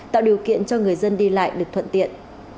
tạo điều kiện cho người dân đi lại được thuận tiện